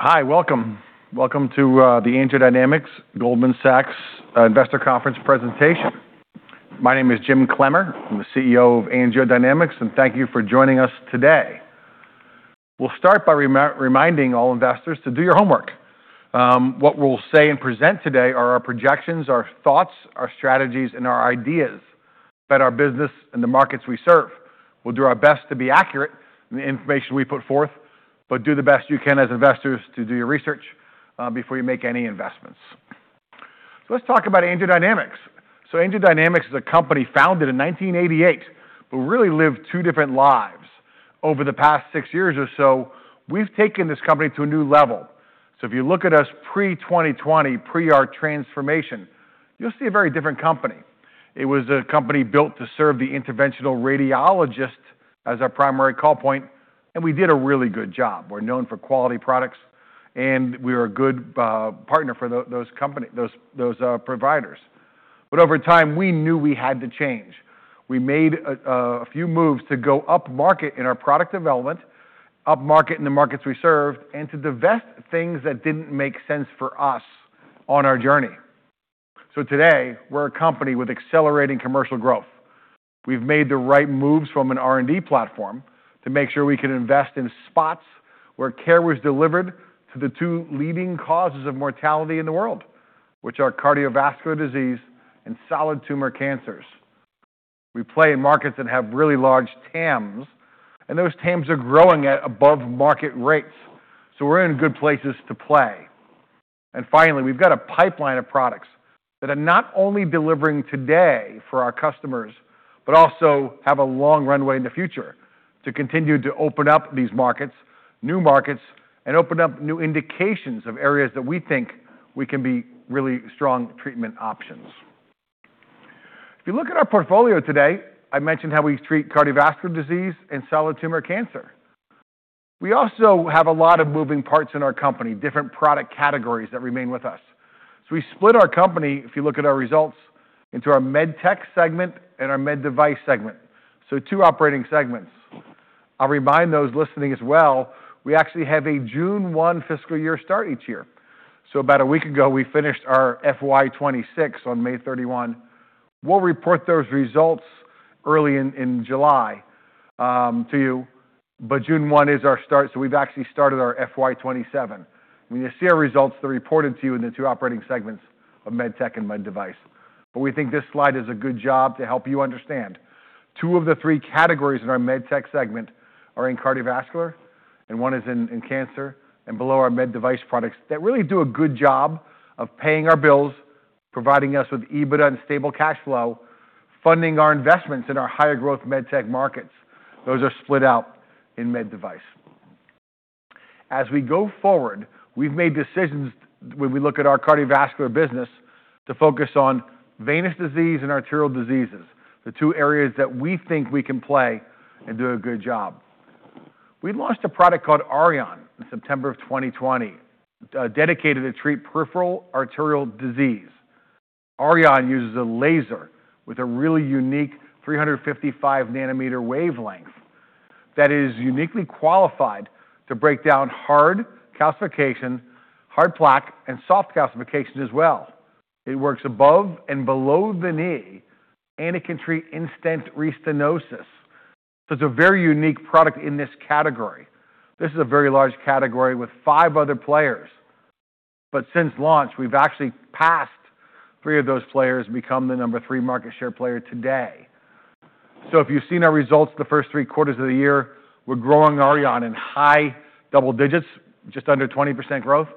Hi, welcome. Welcome to the AngioDynamics Goldman Sachs investor conference presentation. My name is Jim Clemmer. I'm the CEO of AngioDynamics. Thank you for joining us today. We'll start by reminding all investors to do your homework. What we'll say and present today are our projections, our thoughts, our strategies, and our ideas about our business and the markets we serve. We'll do our best to be accurate in the information we put forth, but do the best you can as investors to do your research before you make any investments. Let's talk about AngioDynamics. AngioDynamics is a company founded in 1988, but we really lived two different lives. Over the past six years or so, we've taken this company to a new level. If you look at us pre 2020, pre our transformation, you'll see a very different company. It was a company built to serve the interventional radiologist as our primary call point. We did a really good job. We're known for quality products. We're a good partner for those providers. Over time, we knew we had to change. We made a few moves to go up-market in our product development, up-market in the markets we served, and to divest things that didn't make sense for us on our journey. Today, we're a company with accelerating commercial growth. We've made the right moves from an R&D platform to make sure we can invest in spots where care was delivered to the two leading causes of mortality in the world, which are cardiovascular disease and solid tumor cancers. We play in markets that have really large TAMs. Those TAMs are growing at above market rates. We're in good places to play. Finally, we've got a pipeline of products that are not only delivering today for our customers, but also have a long runway in the future to continue to open up these markets, new markets, and open up new indications of areas that we think we can be really strong treatment options. If you look at our portfolio today, I mentioned how we treat cardiovascular disease and solid tumor cancer. We also have a lot of moving parts in our company, different product categories that remain with us. We split our company, if you look at our results, into our Med Tech segment and our Med Device segment. Two operating segments. I'll remind those listening as well, we actually have a June 1 fiscal year start each year. About a week ago, we finished our FY 2026 on May 31. We'll report those results early in July to you. June 1 is our start, we've actually started our FY 2027. When you see our results, they're reported to you in the two operating segments of Med Tech and Med Device. We think this slide does a good job to help you understand two of the three categories in our Med Tech segment are in cardiovascular. One is in cancer. Below are Med Device products that really do a good job of paying our bills, providing us with EBITDA and stable cash flow, funding our investments in our higher growth Med Tech markets. Those are split out in Med Device. We've made decisions when we look at our cardiovascular business to focus on venous disease and arterial diseases, the two areas that we think we can play and do a good job. We launched a product called Auryon in September 2020, dedicated to treat peripheral arterial disease. Auryon uses a laser with a really unique 355 nanometer wavelength that is uniquely qualified to break down hard calcification, hard plaque, and soft calcification as well. It works above and below the knee, and it can treat in-stent restenosis. It's a very unique product in this category. This is a very large category with five other players. Since launch, we've actually passed three of those players and become the number three market share player today. If you've seen our results the first three quarters of the year, we're growing Auryon in high double digits, just under 20% growth,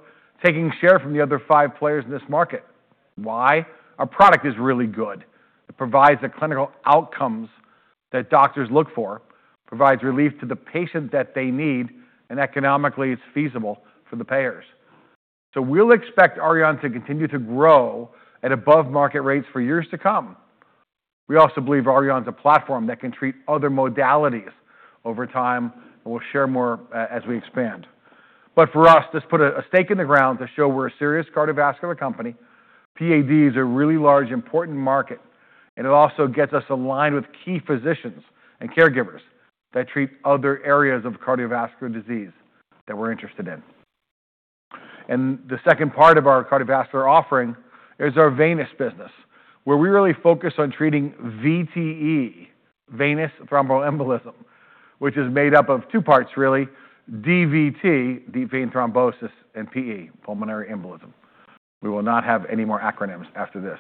taking share from the other five players in this market. Why? Our product is really good. It provides the clinical outcomes that doctors look for, provides relief to the patient that they need, and economically, it's feasible for the payers. We'll expect Auryon to continue to grow at above market rates for years to come. We also believe Auryon's a platform that can treat other modalities over time, and we'll share more as we expand. For us, this put a stake in the ground to show we're a serious cardiovascular company. PAD is a really large, important market, and it also gets us aligned with key physicians and caregivers that treat other areas of cardiovascular disease that we're interested in. The second part of our cardiovascular offering is our venous business, where we really focus on treating VTE, venous thromboembolism, which is made up of two parts, really, DVT, deep vein thrombosis, and PE, pulmonary embolism. We will not have any more acronyms after this.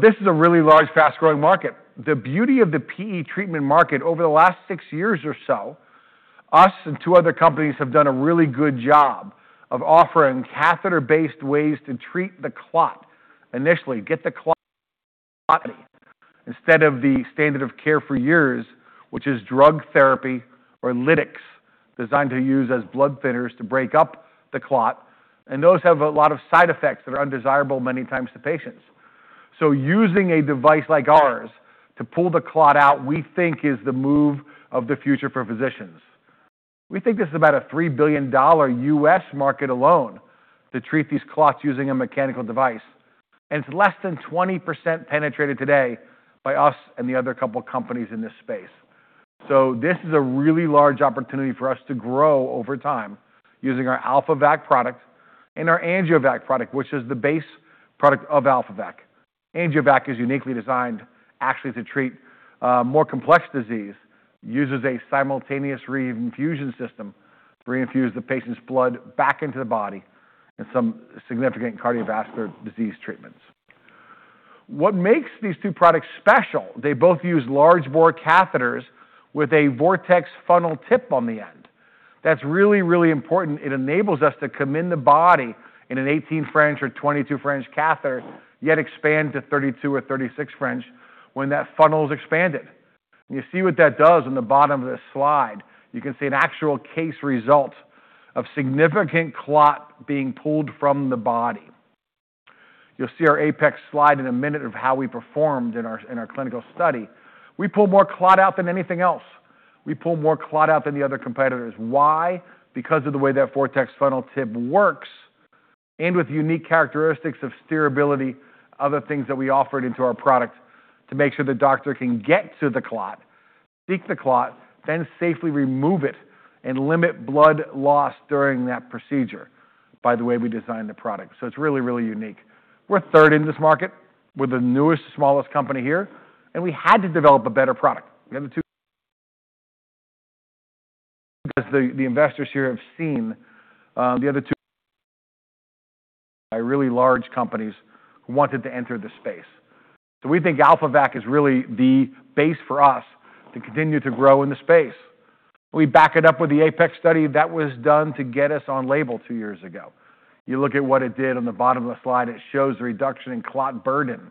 This is a really large, fast-growing market. The beauty of the PE treatment market over the last six years or so, us and two other companies have done a really good job of offering catheter-based ways to treat the clot. Initially, get the clot out of the body instead of the standard of care for years, which is drug therapy or lytics designed to use as blood thinners to break up the clot, and those have a lot of side effects that are undesirable many times to patients. Using a device like ours to pull the clot out, we think is the move of the future for physicians. We think this is about a $3 billion U.S. market alone to treat these clots using a mechanical device, and it's less than 20% penetrated today by us and the other couple companies in this space. This is a really large opportunity for us to grow over time using our AlphaVac product and our AngioVac product, which is the base product of AlphaVac. AngioVac is uniquely designed actually to treat more complex disease, uses a simultaneous reinfusion system to reinfuse the patient's blood back into the body in some significant cardiovascular disease treatments. What makes these two products special, they both use large bore catheters with a Vortex funnel tip on the end. That's really, really important. It enables us to come in the body in an 18 French or 22 French catheter, yet expand to 32 or 36 French when that funnel is expanded. You see what that does in the bottom of this slide. You can see an actual case result of significant clot being pulled from the body. You'll see our APEX slide in a minute of how we performed in our clinical study. We pull more clot out than anything else. We pull more clot out than the other competitors. Why? Because of the way that Vortex funnel tip works and with unique characteristics of steerability, other things that we offered into our product to make sure the doctor can get to the clot, seek the clot, then safely remove it, and limit blood loss during that procedure by the way we designed the product. It's really, really unique. We're third in this market. We're the newest, smallest company here, and we had to develop a better product. The investors here have seen the other two by really large companies who wanted to enter the space. We think AlphaVac is really the base for us to continue to grow in the space. We back it up with the APEX study that was done to get us on label two years ago. You look at what it did on the bottom of the slide, it shows a reduction in clot burden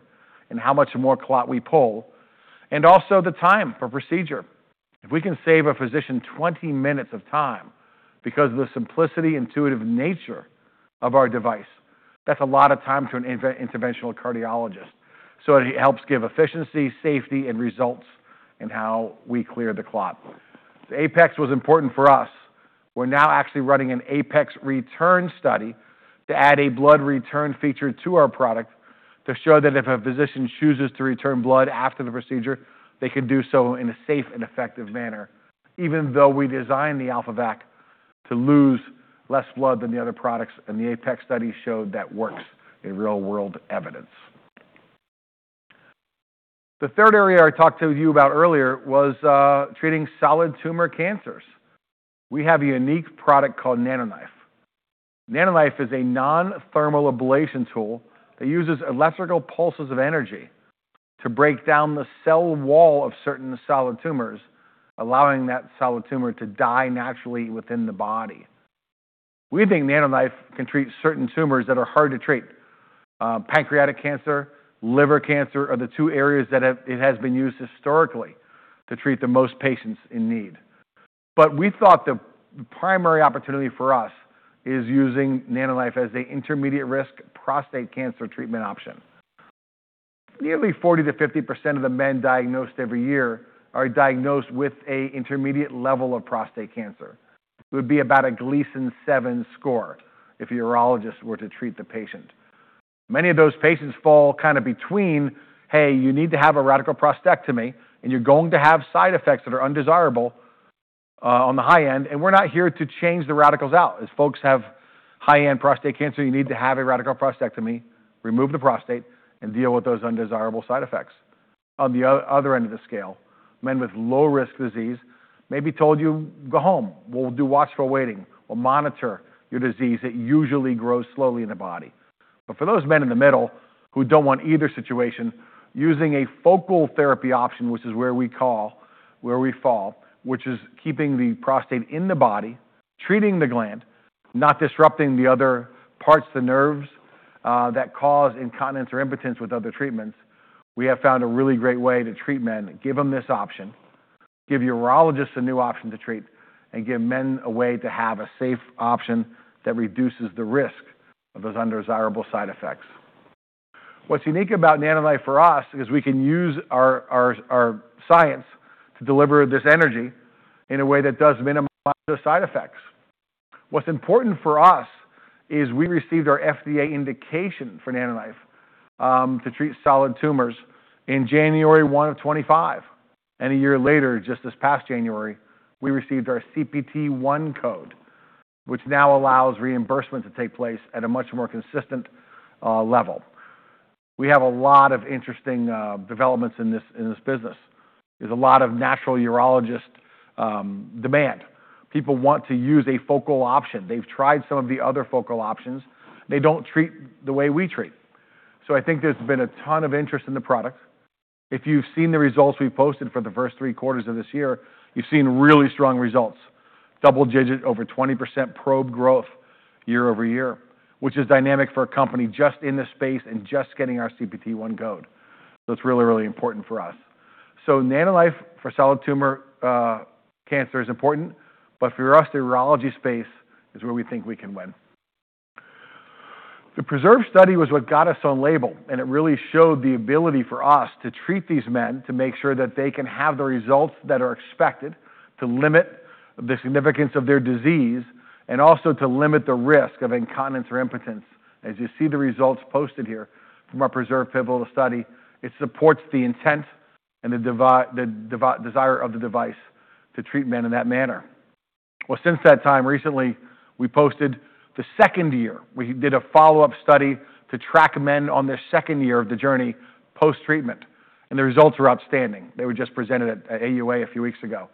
and how much more clot we pull, and also the time for procedure. If we can save a physician 20 minutes of time because of the simplicity, intuitive nature of our device, that's a lot of time to an interventional cardiologist. It helps give efficiency, safety, and results in how we clear the clot. APEX was important for us. We're now actually running an APEX-Return study to add a blood return feature to our product to show that if a physician chooses to return blood after the procedure, they can do so in a safe and effective manner, even though we designed the AlphaVac to lose less blood than the other products, and the APEX study showed that works in real-world evidence. The third area I talked to you about earlier was treating solid tumor cancers. We have a unique product called NanoKnife. NanoKnife is a non-thermal ablation tool that uses electrical pulses of energy to break down the cell wall of certain solid tumors, allowing that solid tumor to die naturally within the body. We think NanoKnife can treat certain tumors that are hard to treat. Pancreatic cancer, liver cancer are the two areas that it has been used historically to treat the most patients in need. We thought the primary opportunity for us is using NanoKnife as an intermediate risk prostate cancer treatment option. Nearly 40%-50% of the men diagnosed every year are diagnosed with an intermediate level of prostate cancer. It would be about a Gleason 7 score if urologists were to treat the patient. Many of those patients fall kind of between, hey, you need to have a radical prostatectomy, and you're going to have side effects that are undesirable on the high end, and we're not here to change the radicals out. As folks have high-end prostate cancer, you need to have a radical prostatectomy, remove the prostate, and deal with those undesirable side effects. On the other end of the scale, men with low risk disease may be told you go home. We'll do watchful waiting. We'll monitor your disease. It usually grows slowly in the body. For those men in the middle who don't want either situation, using a focal therapy option, which is where we fall, which is keeping the prostate in the body, treating the gland, not disrupting the other parts, the nerves that cause incontinence or impotence with other treatments. We have found a really great way to treat men, give them this option, give urologists a new option to treat, and give men a way to have a safe option that reduces the risk of those undesirable side effects. What's unique about NanoKnife for us is we can use our science to deliver this energy in a way that does minimize those side effects. What's important for us is we received our FDA indication for NanoKnife, to treat solid tumors in January 1 of 2025, and a year later, just this past January, we received our CPT 1 code, which now allows reimbursement to take place at a much more consistent level. We have a lot of interesting developments in this business. There's a lot of natural urologist demand. People want to use a focal option. They've tried some of the other focal options. They don't treat the way we treat. I think there's been a ton of interest in the product. If you've seen the results we've posted for the first three quarters of this year, you've seen really strong results. Double-digit over 20% probe growth year-over-year, which is dynamic for a company just in the space and just getting our CPT 1 code. It's really, really important for us. NanoKnife for solid tumor cancer is important, but for us, the urology space is where we think we can win. The PRESERVE study was what got us on label, and it really showed the ability for us to treat these men to make sure that they can have the results that are expected to limit the significance of their disease, and also to limit the risk of incontinence or impotence. As you see the results posted here from our PRESERVE Pivotal study, it supports the intent and the desire of the device to treat men in that manner. Since that time, recently, we posted the second year. We did a follow-up study to track men on their second year of the journey post-treatment, and the results are outstanding. They were just presented at AUA a few weeks ago.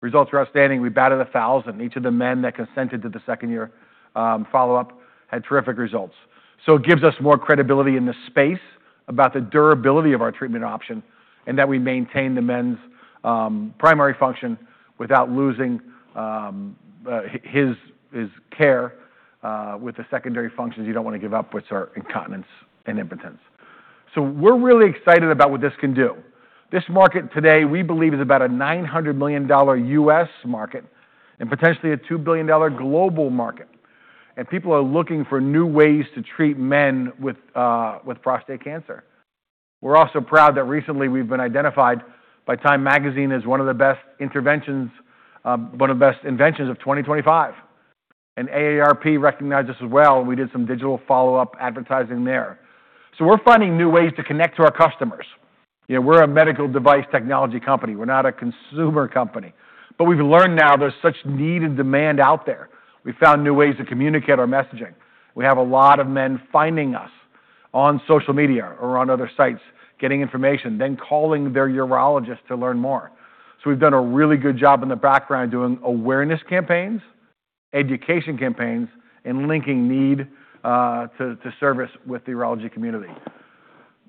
Results are outstanding. We batted 1,000. Each of the men that consented to the second-year follow-up had terrific results. It gives us more credibility in the space about the durability of our treatment option, and that we maintain the men's primary function without losing his care with the secondary functions you don't want to give up, which are incontinence and impotence. We're really excited about what this can do. This market today, we believe, is about a $900 million U.S. market and potentially a $2 billion global market. People are looking for new ways to treat men with prostate cancer. We're also proud that recently we've been identified by Time magazine as one of the best inventions of 2025. AARP recognized us as well. We did some digital follow-up advertising there. We're finding new ways to connect to our customers. We're a medical device technology company. We're not a consumer company. We've learned now there's such need and demand out there. We found new ways to communicate our messaging. We have a lot of men finding us on social media or on other sites, getting information, then calling their urologist to learn more. We've done a really good job in the background doing awareness campaigns, education campaigns, and linking need to service with the urology community.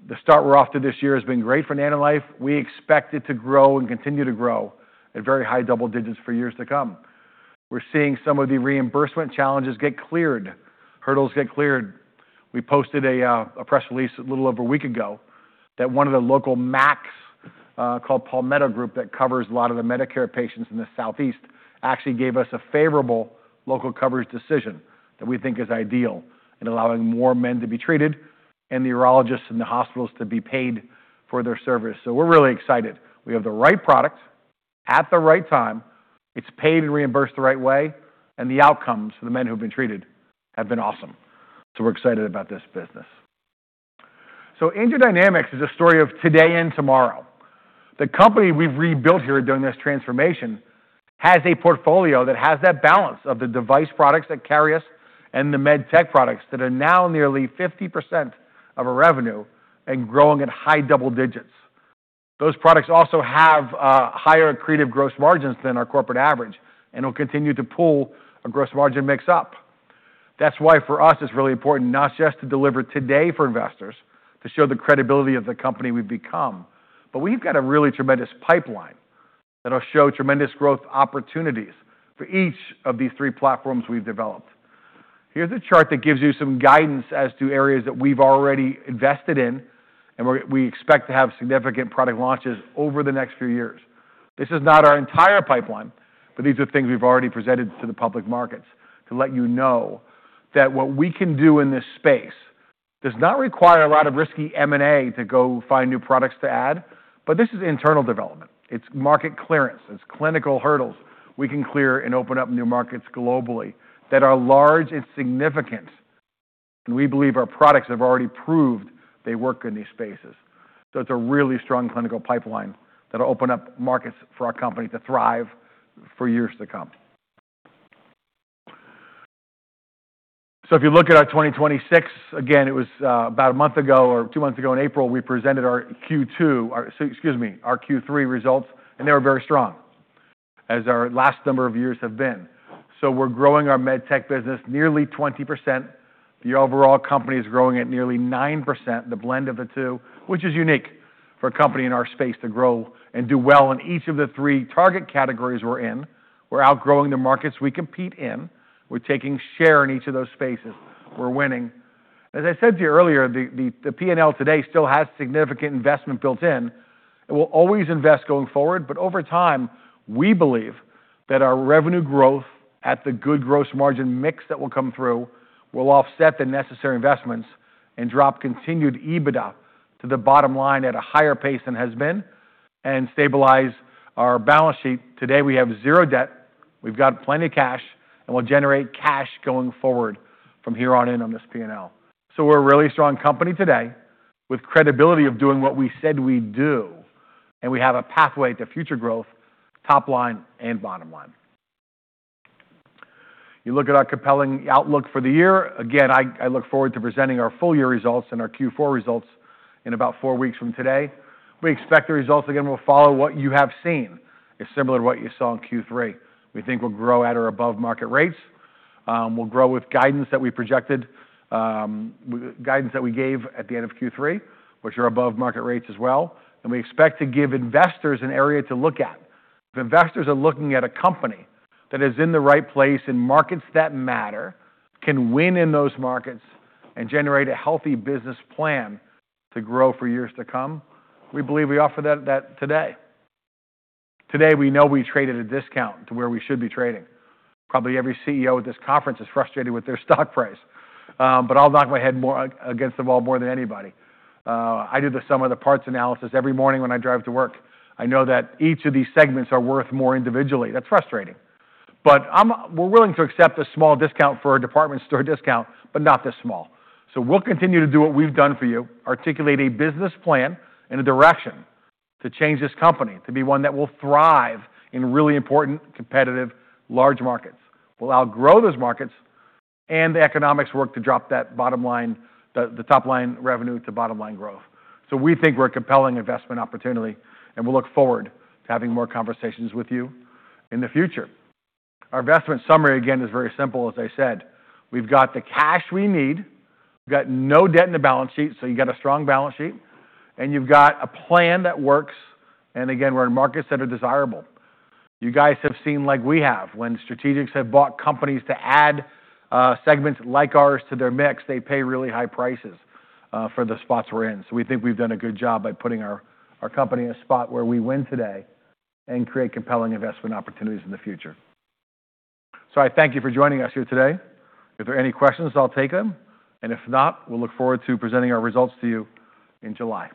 The start we're off to this year has been great for NanoKnife. We expect it to grow and continue to grow at very high double digits for years to come. We're seeing some of the reimbursement challenges get cleared, hurdles get cleared. We posted a press release a little over a week ago that one of the local MACs, called Palmetto GBA, that covers a lot of the Medicare patients in the Southeast, actually gave us a favorable local coverage decision that we think is ideal in allowing more men to be treated and the urologists and the hospitals to be paid for their service. We're really excited. We have the right product at the right time. It's paid and reimbursed the right way, and the outcomes for the men who've been treated have been awesome. We're excited about this business. AngioDynamics is a story of today and tomorrow. The company we've rebuilt here during this transformation has a portfolio that has that balance of the device products that carry us and the Med Tech products that are now nearly 50% of our revenue and growing at high double digits. Those products also have higher accretive gross margins than our corporate average and will continue to pull our gross margin mix up. That's why for us, it's really important not just to deliver today for investors to show the credibility of the company we've become, but we've got a really tremendous pipeline that'll show tremendous growth opportunities for each of these three platforms we've developed. Here's a chart that gives you some guidance as to areas that we've already invested in, and we expect to have significant product launches over the next few years. This is not our entire pipeline, these are things we've already presented to the public markets to let you know that what we can do in this space does not require a lot of risky M&A to go find new products to add, this is internal development. It's market clearance. It's clinical hurdles we can clear and open up new markets globally that are large and significant, and we believe our products have already proved they work in these spaces. It's a really strong clinical pipeline that'll open up markets for our company to thrive for years to come. If you look at our 2026, again, it was about a month ago or two months ago in April, we presented our Q2, excuse me, our Q3 results, and they were very strong, as our last number of years have been. We're growing our Med Tech business nearly 20%. The overall company is growing at nearly 9%, the blend of the two, which is unique for a company in our space to grow and do well in each of the three target categories we're in. We're outgrowing the markets we compete in. We're taking share in each of those spaces. We're winning. As I said to you earlier, the P&L today still has significant investment built in, and we'll always invest going forward. Over time, we believe that our revenue growth at the good gross margin mix that will come through will offset the necessary investments and drop continued EBITDA to the bottom line at a higher pace than has been and stabilize our balance sheet. Today, we have zero debt, we've got plenty of cash, and we'll generate cash going forward from here on in on this P&L. We're a really strong company today with credibility of doing what we said we'd do, and we have a pathway to future growth, top line and bottom line. You look at our compelling outlook for the year. Again, I look forward to presenting our full-year results and our Q4 results in about four weeks from today. We expect the results, again, will follow what you have seen, similar to what you saw in Q3. We think we'll grow at or above market rates. We'll grow with guidance that we gave at the end of Q3, which are above market rates as well. We expect to give investors an area to look at. If investors are looking at a company that is in the right place in markets that matter, can win in those markets, and generate a healthy business plan to grow for years to come, we believe we offer that today. Today, we know we trade at a discount to where we should be trading. Probably every CEO at this conference is frustrated with their stock price. I'll knock my head against the wall more than anybody. I do the sum of the parts analysis every morning when I drive to work. I know that each of these segments are worth more individually. That's frustrating. We're willing to accept a small discount for a department store discount, but not this small. We'll continue to do what we've done for you, articulate a business plan and a direction to change this company, to be one that will thrive in really important, competitive, large markets. We'll outgrow those markets and the economics work to drop that bottom line, the top line revenue to bottom line growth. We think we're a compelling investment opportunity, and we look forward to having more conversations with you in the future. Our investment summary, again, is very simple, as I said. We've got the cash we need. We've got no debt in the balance sheet, so you got a strong balance sheet, and you've got a plan that works. Again, we're in markets that are desirable. You guys have seen like we have, when strategics have bought companies to add segments like ours to their mix, they pay really high prices for the spots we're in. We think we've done a good job by putting our company in a spot where we win today and create compelling investment opportunities in the future. I thank you for joining us here today. If there are any questions, I'll take them, and if not, we'll look forward to presenting our results to you in July.